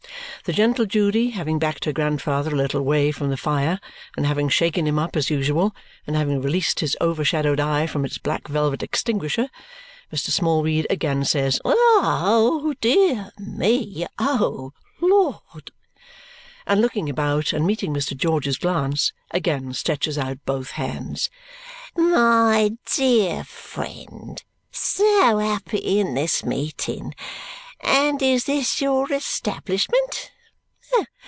The gentle Judy, having backed her grandfather a little way from the fire, and having shaken him up as usual, and having released his overshadowed eye from its black velvet extinguisher, Mr. Smallweed again says, "Oh, dear me! O Lord!" and looking about and meeting Mr. George's glance, again stretches out both hands. "My dear friend! So happy in this meeting! And this is your establishment?